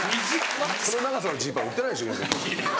その長さのジーパン売ってないでしょ。